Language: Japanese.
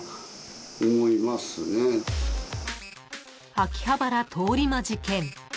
［秋葉原通り魔事件］